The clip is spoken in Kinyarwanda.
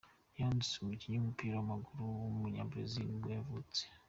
Lúcio, umukinnyi w’umupira w’amaguru w’umunyabrazil nibwoyavutse.